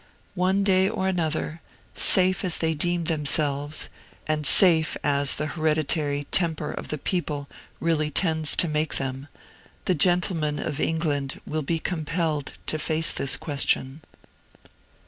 One day or another, safe as they deem themselves, and safe as the hereditary temper of the people really tends to make them, the gentlemen of England will be compelled to face this question.